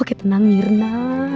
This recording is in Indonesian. oke tenang mirna